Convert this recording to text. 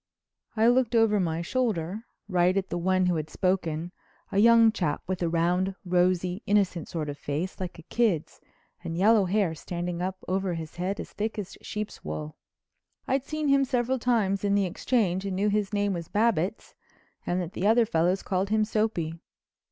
I looked over my shoulder right at the one who had spoken, a young chap with a round, rosy, innocent sort of face like a kid's and yellow hair standing up over his head as thick as sheep's wool. I'd seen him several times in the Exchange and knew his name was Babbitts and that the other fellows called him "Soapy."